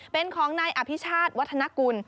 เป็นของนายอภิชาติวัฒนกุล